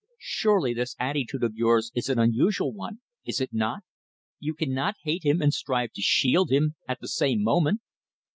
Surely, this attitude of yours is an unusual one is it not? You cannot hate him and strive to shield him at the same moment!"